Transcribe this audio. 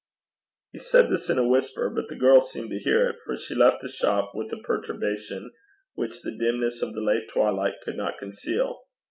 He said this in a whisper; but the girl seemed to hear it, for she left the shop with a perturbation which the dimness of the late twilight could not conceal.